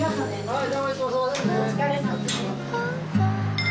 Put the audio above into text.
はい。